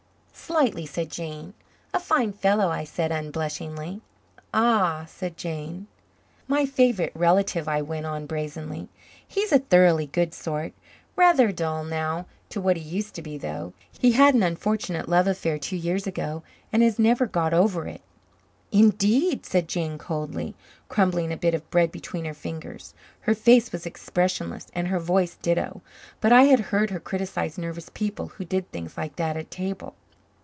"Slightly," said Jane. "A fine fellow," I said unblushingly. "A h," said Jane. "My favorite relative," I went on brazenly. "He's a thoroughly good sort rather dull now to what he used to be, though. He had an unfortunate love affair two years ago and has never got over it." "Indeed?" said Jane coldly, crumbling a bit of bread between her fingers. Her face was expressionless and her voice ditto; but I had heard her criticize nervous people who did things like that at table.